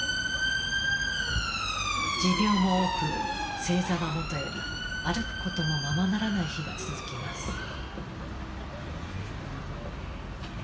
持病も多く正座はもとより歩くこともままならない日が続きます。